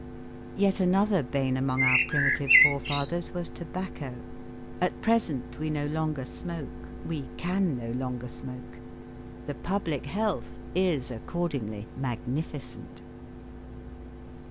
Yet another bane among our primitive forefathers was tobacco. At present we no longer smoke, we can no longer smoke. The public health is accordingly magnificent.